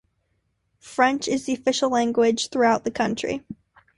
French is the official language throughout the country.